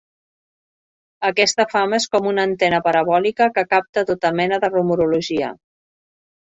Aquesta fama és com una antena parabòlica que capta tota mena de rumorologia.